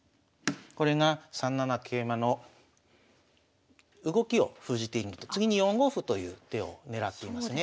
これが３七桂馬の動きを封じているのと次に４五歩という手を狙っていますね。